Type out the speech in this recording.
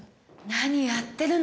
何やってるの！